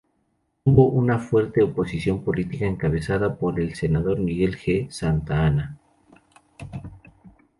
Tuvo una fuerte oposición política encabezada por el senador Miguel G. Santa Ana.